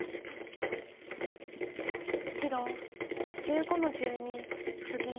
白１５の十二ツギ。